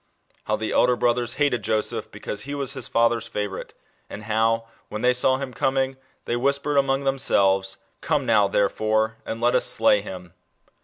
How the elder brothers hated Joseph because he was his father's favourite, and how, when they saw him coming, they whispered among themselves, " Come now, therefore, and let us slay him."